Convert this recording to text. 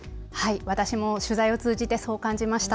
私も取材を通じてそう感じました。